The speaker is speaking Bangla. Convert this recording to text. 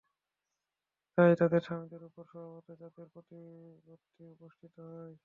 তাই তাদের স্বামীদের উপর স্বভাবতই তাদের প্রতিপত্তি প্রতিষ্ঠি হয়।